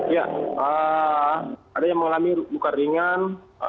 ya ada yang mengalami luka ringan